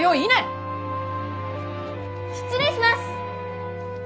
失礼します！